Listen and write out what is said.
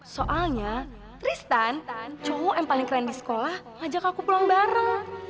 soalnya tristan cowok yang paling keren di sekolah ajak aku pulang bareng